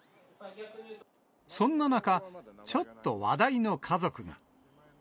そんな中、ちょっと話題の家族が。